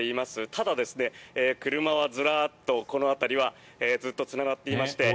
ただ、車はずらっとこの辺りはずっとつながっていまして。